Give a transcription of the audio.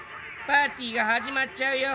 パーティーが始まっちゃうよ。